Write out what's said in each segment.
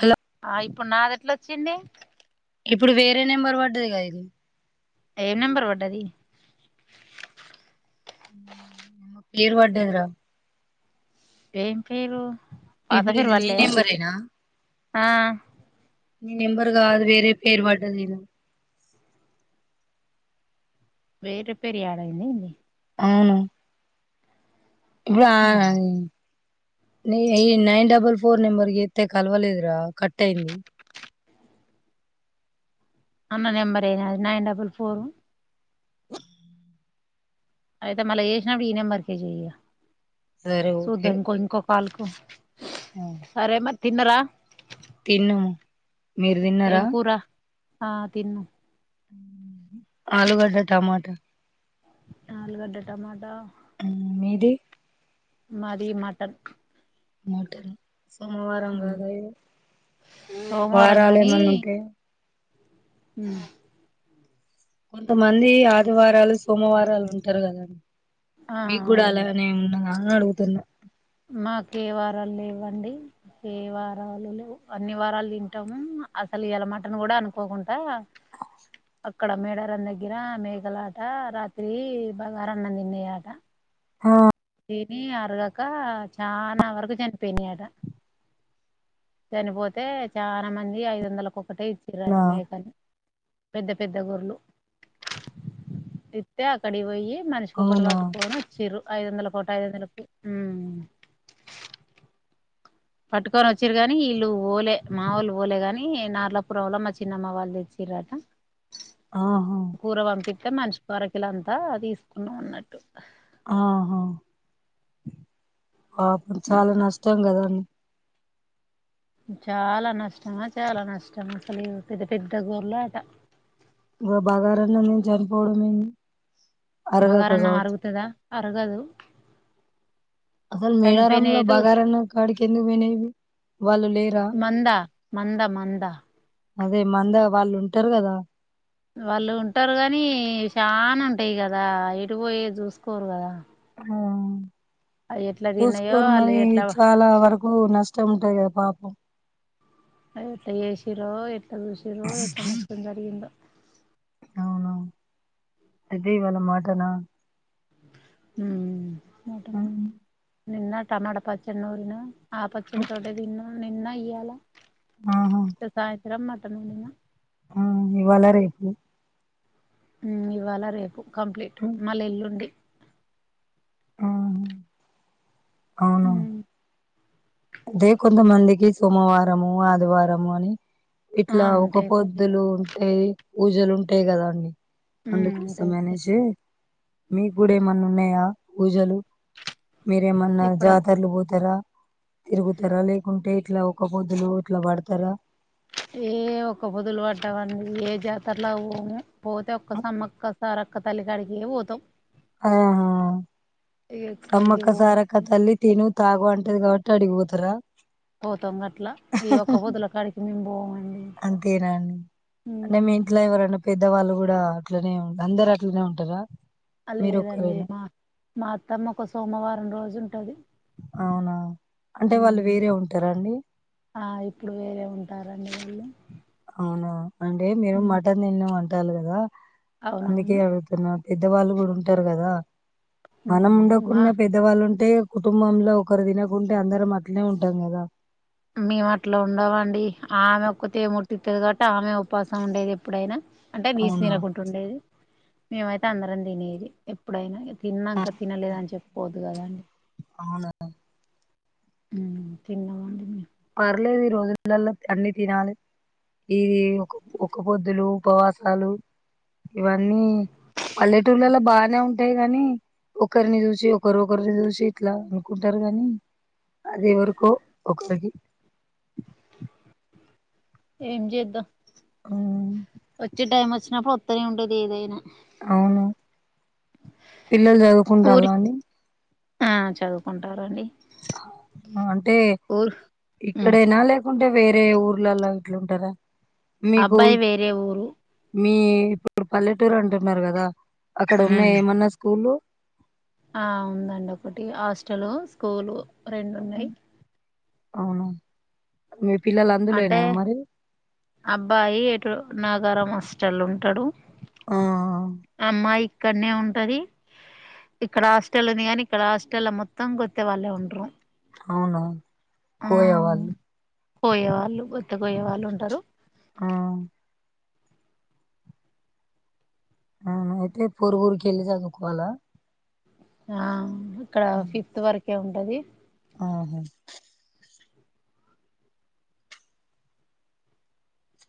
Hello ఆ ఇప్పుడు నాది ఎట్లొచ్చింది ఇప్పుడు వేరే నెంబర్ పడ్డదిగా ఇది ఏ నెంబర్ పడ్డది ఉమ్ ఏమో పేరు పడ్డదిరా ఏం పేరు పాత ఇప్పుడు పేరు ఇది నీ వల్లే నెంబర్ ఏ నా ఆ నీ నెంబర్ కాదు వేరే పేరు పడ్డది ఈడ వేరే పేరు యాడ్ అయిందా ఏంది అవును ఇప్పు [unintelligible] నీ ఈ నైన్ డబల్ ఫోర్ నంబర్ కి చెత్తే కలవలేదురా కట్ అయింది అన్న నెంబర్ ఏ నా అది నైన్ డబుల్ ఫోరు అయితే మళ్ళా చేసినప్పుడు ఈ నెంబర్ కే చెయ ఇగ సరే ఓకే చూద్దాం ఇంకో ఇంకో కాల్ కు సరే మరి తిన్నరా తిన్నాం మీరు ఏం తిన్నారా కూర ఆ తిన్నం ఆలూగడ్డ టమాటా ఆలుగడ్డ టమాటా ఉం మీది మాది మటన్ మోటన్ సోమవారం కాద సోమవారం వారాలేమన్న ఉంటే ఉం కొంతమంది ఆదివారాలు సోమవారాలు ఉంటారు కదా ఆ మీకు కూడా అలానే ఉన్నదా అని అడుగుతున్నా మాకే వారాలు లేవండి ఏ వారాలు లేవు అన్ని వారాలు తింటాము అసలు ఇయల మటన్ కూడా అనుకోకుండా అక్కడ మేడారం దగ్గర మేక లట రాత్రి బగారన్నం తిన్నయి అట ఆ తిని అరగక చాలా వరకు చనిపోయినయి ఆట చనిపోతే చాలా మంది ఐదు వందలకొక్కటే ఇచ్చ్రట అవునా మేకని పెద్ద పెద్ద గోర్రులు ఇత్తే అక్కడికి పోయి మనిషికొకటి అవునా పట్టుకొని వచ్చిర్రు ఐదు వందల ఒకటి ఐదు వందల కి ఉం పట్టుకొని వచ్చిరు కాని వీళ్ళు పోలే మా వోళ్లు పోలే గాని నార్లపురంలో మా చిన్నమ్మ వాళ్ళు తెచ్చి రట ఆహా కూర పంపిత్తే మనిషి కో ఆర కిలో అంత తీసుకున్నం అన్నట్టు ఆహా పాపం అట్లా చాలా నష్టం కదా చాలా నష్టమా చాలా నష్టం అసలు పెద్ద పెద్ద గోర్రులు అట ఇగ బగారన్నం తిని చనిపోవడం ఏంది అరగక బగారన్నం కావచ్చు అరుగుతుదా అరగదు అసలు చనిపోయినవి మేడారంలో అయితే బగారన్నం కాడికి కేందుకు పోయినవి ఇవి వాళ్ళు లేరా మంద మంద మంద అదే మంద వాళ్ళు ఉంటరు కదా వాళ్ళు ఉంటారు గానీ చాన ఉంటాయి కదా ఎటు పోయేది చూసుకోరు కదా అవి ఎట్లా తిన్నాయో కోసుకోరు వాళ్ళు మరి ఎట్లా చాలా వరకు నష్టం ఉంటాది కదా పాపం ఎట్ల చేసిరో ఎట్ల చూసిరో ఎట్ల నష్టం జరిగిందో అవును అయితే ఇవాళ మటనా ఉం మోటమా నిన్న టమాట పచ్చడి నూరినా ఆ పచ్చడి తోటే తిన్నాం నిన్న ఇయ్యాలా ఆహా సాయంత్రం మటన్ వండిన ఉం ఇవాళ రేపు ఉం ఇవాళ రేపు కంప్లీట్ మళ్ళ ఎల్లుండి ఆహా అవును ఉమ్ అదే కొంతమందికి సోమవారము ఆదివారము అని ఆ ఇట్లా ఒక ఉంటాయి పూజ పొద్దులు ఉంటాయి పూజలు ఉంటాయి కదా అండి ఉమ్ ఉంటాయి అందుకోసమీ ఉంటాయి అనేసి మీకు కూడా ఏమన్నా ఉన్నాయా పూజలు మీరేమన్నా ఇప్పుడు జాతరలు పోతారా తిరుగుతారా లేకుంటే ఇట్లా ఒక పొద్దులు ఇట్లా పడతారా ఏ ఒకపొదులు పట్టమండీ ఏ జాతర్లకు పోము పోతే ఒక్క సమ్మక్క సారక్క తల్లి కాడికె పోతం అదే ను ఎక్కడికి సమ్మక్క పో సారక్క తల్లి తిను తాగు అంటది కాబట్టి అడిగిపోతారా పోతాం గట్ల ఈ ఒకపొదుల కాడికి మేం బోము అంతేనాండి అంటే మీ ఇంట్ల ఎవరన పెద్దవాళ్ళు కూడా అట్లనే ఉం అందరు అట్లనే ఉంటరా అ లేదండి మా మా అత్తమ్మ ఒక సోమవారం రోజు ఉంటది అవునా అంటే వాళ్ళు ఉమ్ వేరే ఉంటరా అండి ఏం అవునా అంటే మీరు మటన్ తిన్నం అంటలు కదా అందుకే అవునవును అడుగుతున్న పెద్దవాళ్ళు కూడా ఉంటారు కదా మనం ఉమ్ మా ఉండకున్న పెద్దవాళ్ళు ఉం అంటే కుటుంబంలో ఒకరు తినకుంటే అందరం అట్లనే ఉంటం కదా మే అట్ల ఉండమండి ఆమె ఒక్కతె ముట్టితది కాబట్టి ఆమె ఉపాసం ఉండేది ఎప్పుడైనా అంటే నీస్ అవునా తినకుంట ఉండేది మేమైతే అందరం తినేది ఎప్పుడైనా తిన్నంక తినలేదని చెప్పుకోవద్దు కదండి అవునా ఊ తిన్నమంటేనే పర్లేదు ఈ రోజులల అన్ని తినాలే ఇది ఒక ఒక పొద్దులు ఉపవాసాలు ఇవన్నీ పల్లెటూళ్లల బానే ఉంటయి గని ఒకరిని చూసి ఒకరు ఒకరిని చూసి ఇట్ల అనుకుంటారు గాని అది ఎవరికో ఒకరికి ఏం చేద్దాం ఉమ్, వచ్చే టైం వచ్చినప్పుడు వత్తనే ఉంటది ఏదైనా అవును పిల్లలు ఊరి చదువుకుంటలా అండి ఆ చదువుకుంటరాండి అంటే ఉమ్ ఇక్కడేనా లేకు కుంటే వేరే ఊర్లలా ఇట్ల ఉంటరా అబ్బాయి వేరే ఊరు మీ ఇప్పుడు పల్లెటూరు అంటున్నారు కదా అక్కడ ఉమ్ ఉన్నాయ ఏమన్న స్కూల్ లు ఆ ఉందండి ఒకటి హాస్టలు స్కూలు రెండున్నయి అవును మీర్ అంటే అబ్బాయి ఎటుర్ నాగారం హస్టల్ ఉంటడు ఆ ఆ! అమ్మాయి ఇక్కనే ఉంటది ఇక్కడ హాస్టల్ ఉంది కానీ ఇక్కడ హాస్టల్ మొత్తం గొత్తే వాళ్ళే ఉంటరు అవును ఆ కోయవాళ్ళు కోయే వాళ్ళు గొత్తేకోయే వాళ్ళు ఉంటారు ఆ అ అయితే పోరుగూరుకి వెళ్లి చదుకోవాల ఆ ఇక్కడ ఫిఫ్త్ వరకే ఉంటది ఆహో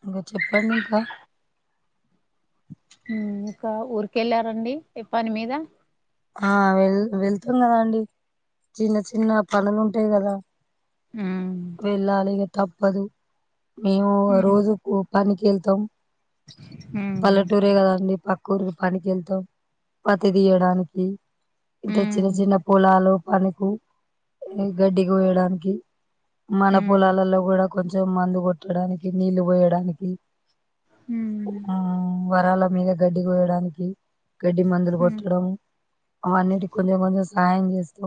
ఇంకా చెప్పండి ఇంకా ఇంకా ఊర్కెళ్ళారండి ఏప్పని మీద ఆ వెల్ వెళ్తున్నరాండి చిన్న చిన్న పనులు ఉంటాయి కదా ఉమ్ వెళ్ళాలి ఇగ తప్పదు మేము ఉమ్ రోజుకు పనికి వెళ్తాం ఉమ్ పల్లెటూరే కదాండి పక్క ఊరికి పనికి వెళ్తాం పతి తీయడానికి ఇంత చిన్న ఉమ్ చిన్న పొలాలు పనుకు ఇది గడ్డి కోయడానికి మన పొలాలలో కూడా కొంచెం మందు కొట్టడానికి నీళ్లు పోయడానికి ఉమ్ ఊ వరాల మీద గడ్డి కోయడానికి గడ్డి మందులు ఉమ్ కొట్టడం అవన్నిటి కొంచెం కొంచెం సాయం చేస్తూ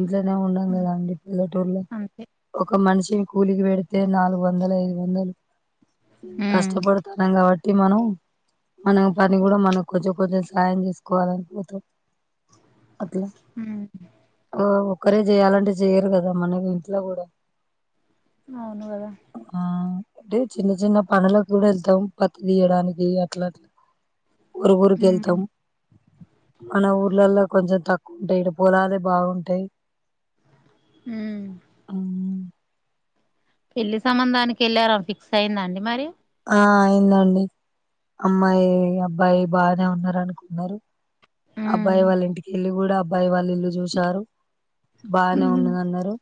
ఇంట్లోనే ఉన్నాం ఉమ్ కదా అండి పిల్లటూర్లో అంతే ఒక మనిషిని కూలికి పెడితే నాలుగు వందలు ఐదు వందలు ఉమ్ కష్టపడుతాన్నాం కాబట్టి మనం మనం పని కూడా మనం కొంచెం కొంచెం సాయం చేసుకోవాలనుకుతాం అట్లా ఉమ్ ఒకక్కరే చేయాలంటే చెయరు కదా మనకి ఇంట్లో కూడా అవును కదా ఆ అంటే చిన్న చిన్న పనులకు కూడా వెళ్తాం పత్త తీయడానికి అట్లా అట్లా ఉఊరు ఊరుక వెళ్తాం ఉమ్ మన ఊర్లలో కొంచెం తక్కువ ఉంటాయి ఇడ పోలాదే బాగుంటాయి అ ఉమ్, పెళ్లి సంబంధానికి వెళ్ళారా ఫిక్స్ అయిందా అండి మరి ఆ అయిందండి అమ్మాయి అబ్బాయి బానే ఉన్నారు అనుకున్నారు అబ్బాయి ఉమ్ వాళ్ళ ఇంటికి వెళ్ళి కూడా అబ్బాయి వాళ్ళు ఇల్లు చూశారు బానే ఉన్నది అన్నారు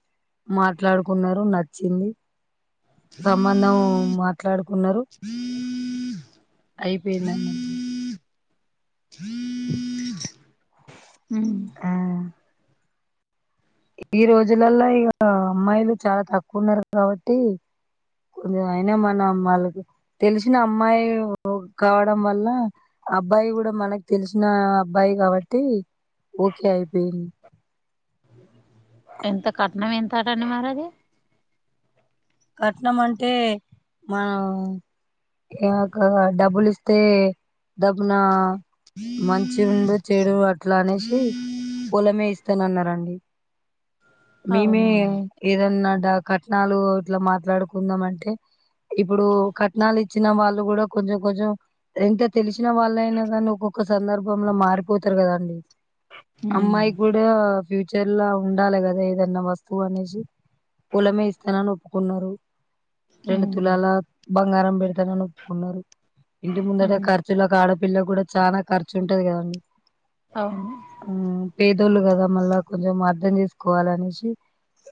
మాట్లాడుకున్నారు నచ్చింది సంబంధం మాట్లాడుకు కున్నారు అయిపోయింద హ ఆ ఈ రోజులలో ఇక అమ్మాయిలు చాలా తక్కువ ఉన్నారు కాబట్టి కొది అయినా మన అమ్మలకి తెలిసిన అమ్మాయి కావడం వల్ల అబ్బాయి కూడా మనకు తెలిసిన అబ్బాయి కాబట్టి ఓకే అయిపోయింది ఎంత కట్నం ఎంతటండి మరి అది కట్నం అంటే మనం ఇక డబ్బులి ఇస్తే డబ్బున మంచి ఉండు చెడు అట్లా అనేసి పొలమే ఇస్తానన్నండి మేమే అవునా ఏదన్నా ఇ కట్నాలు ఇట్లా మాట్లాడుకుందాం అంటే ఇప్పుడు కట్నాలు ఇచ్చిన వాళ్ళు కూడా కొంచెం కొంచెం ఎంత తెలిసిన వాళ్ళ అయినా కా ను్వు ఒక సందర్భంలో మారిపోతారు కదాండి ఉమ్ అమ్మాయి కూడా ఫ్యూచర్లా ఉండాలి కదా ఏదన్నా వస్తువు అనేసి పూలమే ఇస్తానని ఒప్పుకున్నారు రెండు ఉమ్ తులాల బంగారం పెడతానని ఒప్పుకున్నారు ఇంటి ముందటే ఉమ్ ఖర్చులో ఆడపిల్లకి కూడా చాలనా ఖర్చు ఉంటది కదండి అవును ఉమ్, పేదోళ్ళు కదా మళ్ళా కొంచెం అర్ధం చేసుకోవాలి అనేసి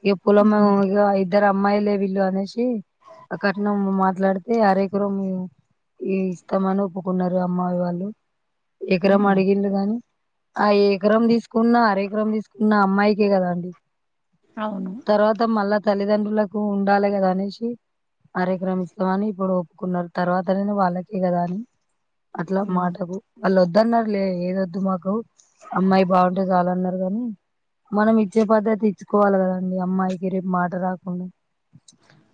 ఇక పొల మ ఉమ్ ఇక ఇద్దరు అమ్మాయిలే వీళ్ళు అనేసి అక్కట్న మాట్లాడితే అరేకరు ఈ ఇస్తామని ఒప్పుకున్నారు అమ్మయి వాళ్ళు ఎకరం ఉమ్ అడిగళ్ళు గాని ఆ ఎకరం తీసుకున్న అర ఎకరం తీసుకున్న అమ్మాయికే కదా అండి అవును తర్వాత మళ్ళా తల్లిదండ్రులకు ఉండాలి కదా అనేసి కార్యక్రమిస్తామని ఇప్పుడు ఒప్పుకున్నారు తర్వాతనేను వాళ్ళకే కదా అని అట్లా ఉమ్ మాటకు వాళ్ళు వద్దన్నారు లే ఏది వద్దు మాకు అమ్మాయి బాగుంటే చాల అన్నారు కాగానీ మనం ఇచ్చే పద్ధతి ఇచ్చుకోవాలి కదండి అమ్మాయికి రేపు మాట రాకుండా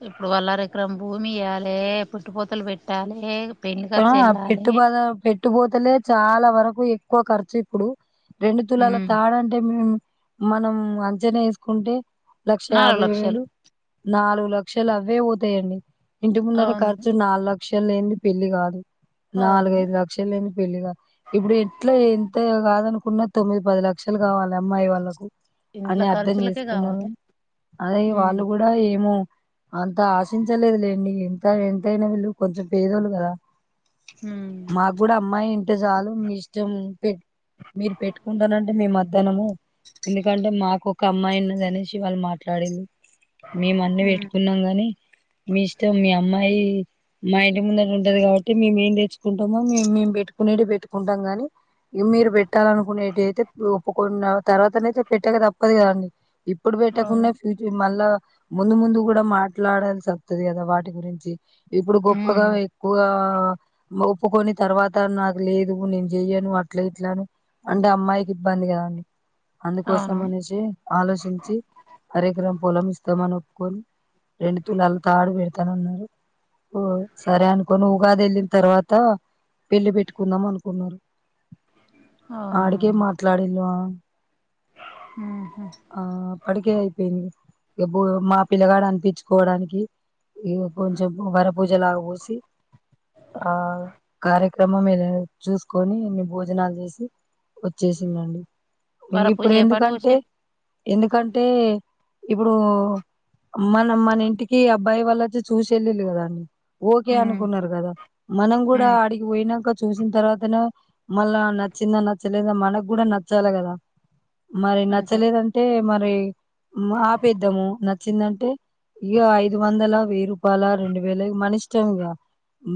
ఇప్పుడు వల్ల ర ఎకరం భూమి ఇయ్యాలి పుట్టుపోతలు పెట్టాలి ఆ పెట్టుబధ పెట్ చుట్టు పోతలే చాలా వరకు ఎక్కువ ఖర్చు ఇప్పుడు రెండు తులాల ఉమ్ తాడంటే మేము మనం అంచనా వేసుకుంటే లక్ష నాలుగు యాభై లక్షలు వేలు నాలుగు లక్షలు అవే పోతాయండి ఇంటి ముంద అవును ఖర్చు నాలుగు లక్షలు లేంది పెళ్లిి కాదు కాదు నాలుగైదు లక్షలేని పెళ్లిగా ఇప్పుడు ఎట్లా ఎంత కాదు అనుకున్న తొమ్మిది పది లక్షలు కావాలి అమ్మాయి వాళ్ళలకు ఇంట్ల అని అర్థం ఖర్చులకే చేసుకున్నారు కావాలే అదే ఉమ్ వాళ్ళు కూడా ఏమో అంత ఆశించలేదులేండి తా ఎంతైనా వీళ్ళు కొంచెం పేదోళ్లు కదా ఉమ్ మాకు కూడా అమ్మాయి అంటే చాలు మీ ఇష్టం పెట్ మీరు పెట్టుకుంటానంటే మేము వద్దనము ఎందుకంటే మాకు ఒక అమ్మాయిన్నదనేసి వాళ్ళు మాట్లాడి మేము అన్ని ఉమ్ పెట్టుకున్నాం గాని మీ ఇష్టం మీ అమ్మాయి మా ఇంటి ముందర ఉంటది కాబట్టి మేమే తెర్చ్చుకుంటామో మేము మేము పెట్టుకునేడే పెట్టుకుంటాం గాని ఇ మీరు పెట్టాలనుకునేటి అయితే ఒప్పు కొ తర్వాతయితే పెట్టాక తప్పదు కదండి ఇప్పుడు అవును పెట్టకుండా ఫ్యూచర్ మళ్ళా ముందు ముందు కూడా మాట్లాడాల్సి వస్తుది కదా వాటి గురించి ఇప్పుడు గొప్పగా ఉమ్ వై గా ఒప్పుకొని తర్వాత నాకు లేదు నేను చెయ్యను అట్లా ఇట్లాని అంటే అమ్మాయికి ఇబ్బంది కదండి అందుకోసం అవును అనేసి ఆలోచించి అరెకరం పొలం ఇస్తామని ఒప్పుకొని రెండు తులాల తాడు పెడతానన్నారు ఓ సరే అన కొను ఉగాది వెళ్ళిన తర్వాత పెళ్లి పెట్టుకుందాం అనుకున్నారు అవునా అడికే మాట్లాడిల్వా ఉహు ఆ అప్పటికే అయిపోయింది ఇబ్బు మా పిల్లగాడు అనిపించుకోవడానికి ఇగా కొంచెం వరపూజలాగా పూసి ఆ కార్యక్రమం మీ చూసుకొని ఇని భోజనాలు చేసి వచ్చేసిందండి ఇ వరపూజ ఇప్పుడు ఏ పాట ఎందుకంటే పోసిర్రు ఎందుకంటే ఇప్పుడు అమ్మనమ్మన ఇంటికి అబ్బాయి వాళ్లచ్చ చూసి వెెళ్ళి కదా అండి ఓకే ఉమ్ అనుకున్నారు గదా మనం కూడా ఉమ్ ఆడిగి పోయినాంక చూసిన తర్వాతనా మళ్ళా నచ్చిందా నచ్చలేదా మనకు కూడా నచ్చాలి కదా మరి అంతే నచ్చలేదంటే మరి ఆపేద్దాము నచ్చింది టే ఇగా ఐదు వందల వెయ్యి రూపాయల రెండు వేల మన ఇష్టం ఇగా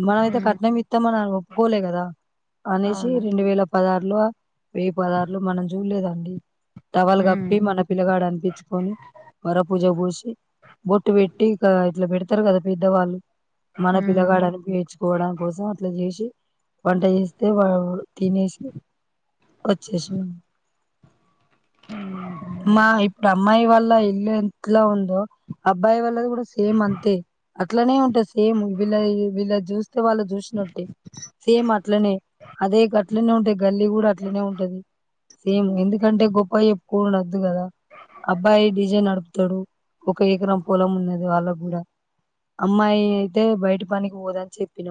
మన యైతే ఉమ్ కట్నం ఇత్తాం మన ఒప్పుకోలే గదా అనేసి అవును రెండు వేల పదహారు లో వెయ్యి పదార్లు మనం చూడలేదండి టవల్ ఉమ్ కప్పి మన పిల్లగాడు అనిపించుకొని వరా పూజా పోసి బోట్ బెట్టి ఇట్లా బ తరు గదా పెద్దవాళ్ళు మన ఉమ్ పిల్లగాడని పేర్చుకోవడం కోసం అట్లా చేసి వంట చేస్తే వా తినేసి వచ్చేసి ఉమ్ మా ఇప్పుడు అమ్మాయి వాల్లా ఇల్లు ఎట్లా ఉందో అబ్బాయి వాల్లది కూడ్ సేమ్ అంతే అట్లానే ఉంటా సేమ్ వీళ్ళ వీళ్ళది చూస్తే వాళ్ళ చూసినట్టే సేమ్ అట్లనే అదే గట్లనే ఉంటే గల్లీ కూడా అట్లనే ఉంటది సేమ్ ఎందుకంటే గొప్పయి చెప్పుకోవద్దు కదా అబ్బాయి డిజే నడుపుతాడు ఒక ఎకరం పొలం ఉన్నది వాళ్ళకు కూడా అమ్మాయి అయితే బయట పనికి పోదని చెప్పినాం